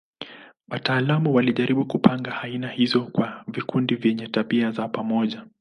Wataalamu walijaribu kupanga aina hizo kwa vikundi vyenye tabia za pamoja.